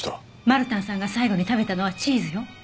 マルタンさんが最後に食べたのはチーズよ。